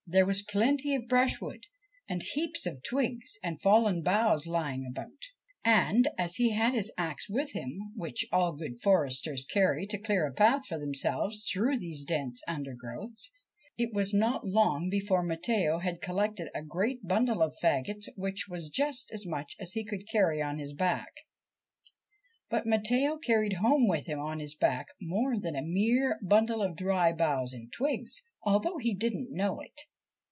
There was plenty of brushwood, and heaps of twigs and fallen boughs lying about, and, as he had his axe with him, which all good foresters carry to clear a path for themselves through the dense undergrowths, it was not long before Matteo had collected a great bundle of faggots which was just as much as he could carry on his back. But Matteo carried home with him on his back more than a mere bundle of dry boughs and twigs, although he did not know it.